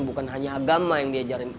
bukan hanya agama yang diajarin